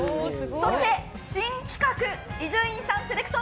そして新企画、伊集院セレクト！